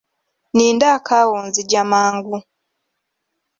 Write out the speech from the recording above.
Nnindaako awo nzija mangu.